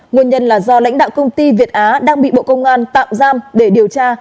nguồn nhân là do lãnh đạo công ty việt á đang bị bộ công an tạm giam để điều tra